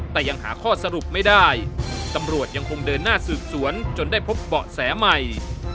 แต่ยังหาข้อสรุปไม่ได้ตำรวจยังคงเดินหน้าสืบสวนจนได้พบเบาะแสใหม่